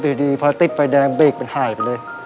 อยู่ดีพอติดไฟแดงเบรกมันหายไปเลย